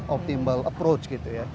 optimal approach gitu ya